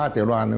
ba tiểu đoàn